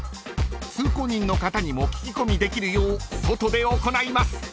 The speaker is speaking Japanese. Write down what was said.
［通行人の方にも聞き込みできるよう外で行います］